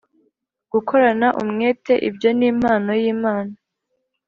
gukorana umwete Ibyo ni impano y Imana